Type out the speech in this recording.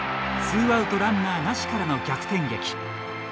ツーアウトランナーなしからの逆転劇。